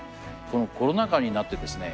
このコロナ禍になってですね